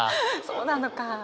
そうなのかあ。